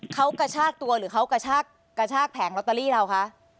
เขากระชากตัวหรือเขากระชากแผงลอตเตอรี่เราคะ